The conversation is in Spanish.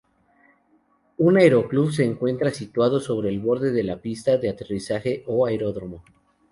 Un aeroclub se encuentra situado al borde de una pista de aterrizaje o aeródromo.